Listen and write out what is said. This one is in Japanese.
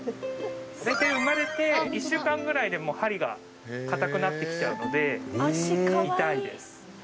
大体生まれて１週間ぐらいで針が硬くなってきちゃうので痛いです。